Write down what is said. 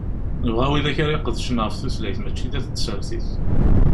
Nebɣa widak ara iqedcen ɣef tutlayt, mačči d at tsertit.